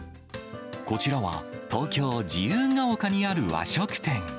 こちらは東京・自由が丘にある和食店。